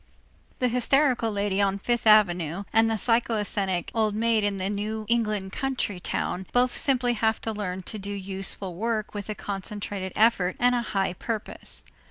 The hysterical lady on Fifth Avenue and the psychasthenic old maid in the New England country town both simply have to learn to do useful work with a concentrated effort and a high purpose.